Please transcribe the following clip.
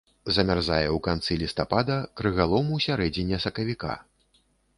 Замярзае ў канцы лістапада, крыгалом у сярэдзіне сакавіка.